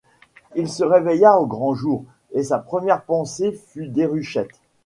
Il se réveilla au grand jour, et sa première pensée fut Déruchette.